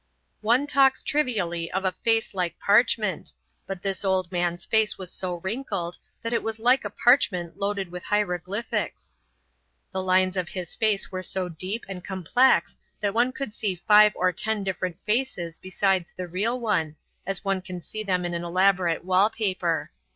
One talks trivially of a face like parchment, but this old man's face was so wrinkled that it was like a parchment loaded with hieroglyphics. The lines of his face were so deep and complex that one could see five or ten different faces besides the real one, as one can see them in an elaborate wall paper.